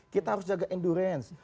kita harus jaga endurance